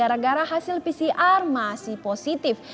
gara gara hasil pcr masih positif